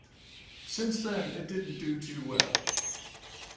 Since then it didn't do too well.